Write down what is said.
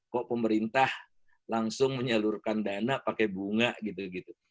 kok pemerintah langsung menyalurkan dana pakai bunga gitu gitu